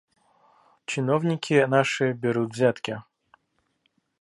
Чиновники наши берут взятки.